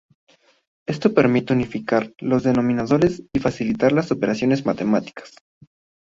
Esto permite unificar los denominadores y facilitar las operaciones matemáticas.